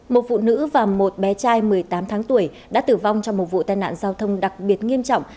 một phụ nữ và một bé trai một mươi tám tháng tuổi đã tử vong trong một vụ tai nạn giao thông đặc biệt nghiêm trọng